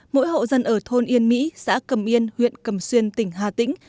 mỗi hộ dân ở thôn yên mỹ xã cẩm yên huyện cẩm xuyên tỉnh hà tĩnh